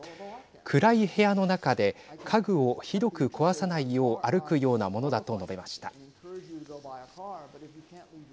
暗い部屋の中で家具をひどく壊さないよう歩くようなものだと述べました。